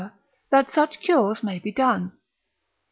that such cures may be done.